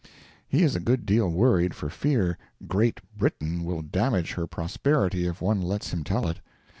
He is a good deal worried for fear "Great Britain" will damage her prosperity if one lets him tell it.